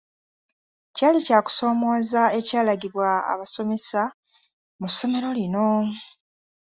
Kyali kya kusomooza ekyalagibwa abasomesa mu ssomero lino.